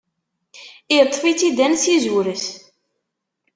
Iṭṭef-itt-id ansi zuret.